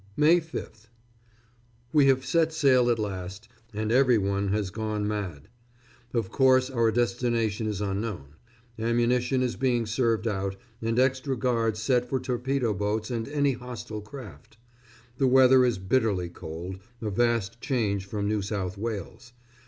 May 5th. We have set sail at last, and every one has gone mad. Of course our destination is unknown. Ammunition is being served out, and extra guards set for torpedo boats and any hostile craft. The weather is bitterly cold a vast change from New South Wales.